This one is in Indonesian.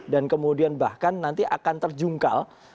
dan kemudian bahkan nanti akan terjungkal